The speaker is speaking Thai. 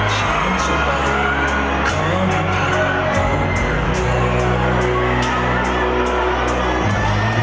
ฉันจะไปขอให้พาเขาเธออยู่